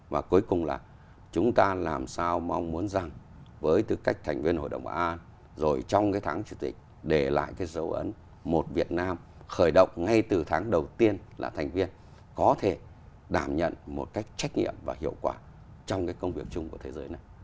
và cuối cùng là chúng ta làm sao mong muốn rằng với tư cách thành viên hội đồng bà an rồi trong cái tháng chủ tịch để lại cái dấu ấn một việt nam khởi động ngay từ tháng đầu tiên là thành viên có thể đảm nhận một cách trách nhiệm và hiệu quả trong cái công việc chung của thế giới này